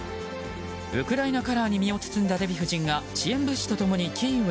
ウクライナカラーに身を包んだデヴィ夫人が支援物資と共にキーウへ。